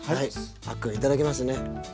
あっくんいただきますね。